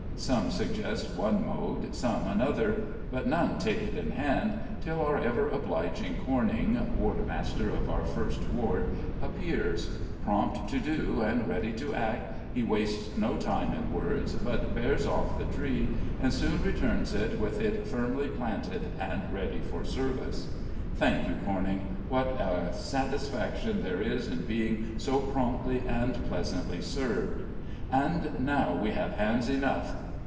Some suggest one mode, some another; but none take it in hand, till our ever obliging Corning, wardmaster of our first ward, appears; prompt to do, and ready to act, he wastes no time in words, but bears off the tree, and soon returns with it firmly planted and ready for service. Thank you, Corning; what a satisfaction there is in being so promptly and pleasantly served. And now we have hands enough.